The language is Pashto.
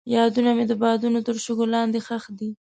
یادونه مې د بادونو تر شګو لاندې ښخې دي.